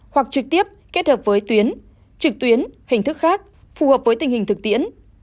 hoặc trực tiếp kết hợp với tuyến trực tuyến hình thức khác phù hợp với tình hình thực tiễn